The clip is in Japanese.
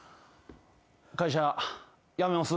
会社辞めます。